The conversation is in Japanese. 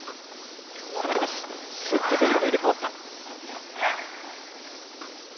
スッと前後が入れ替わった。